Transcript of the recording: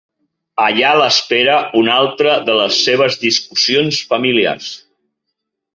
Allà l'espera una altra de les seves discussions familiars.